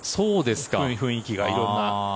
雰囲気が色んな。